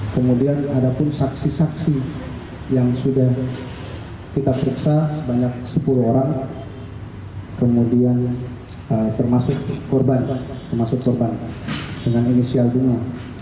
kemudian ada pun saksi saksi yang sudah kita periksa sebanyak sepuluh orang kemudian termasuk korban termasuk korban dengan inisial bunga